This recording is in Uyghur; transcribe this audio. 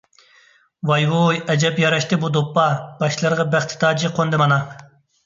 ۋاي - ۋۇي، ئەجەب ياراشتى بۇ دوپپا، باشلىرىغا بەخت تاجى قوندى مانا!